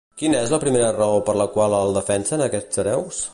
Quina és la primera raó per la qual el defensen aquests hereus?